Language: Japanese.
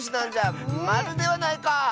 マルではないか！